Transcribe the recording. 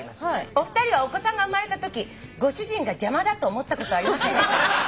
「お二人はお子さんが生まれたときご主人が邪魔だと思ったことはありませんでしたか？」